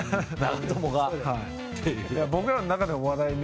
僕らの中でも話題に。